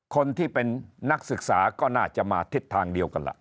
คนที่เป็นนักศึกษาก็น่าจะมาทิศทางเดียวกันล่ะ